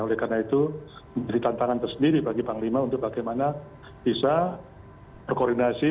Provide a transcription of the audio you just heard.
oleh karena itu menjadi tantangan tersendiri bagi panglima untuk bagaimana bisa berkoordinasi